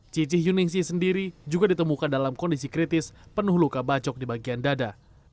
cici yuningsi sendiri juga ditemukan dalam kondisi kritis penuh luka bacok di bagian dada